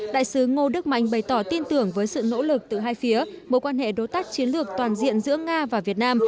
đại sứ ngô đức mạnh bày tỏ tin tưởng với sự nỗ lực từ hai phía mối quan hệ đối tác chiến lược toàn diện giữa nga và việt nam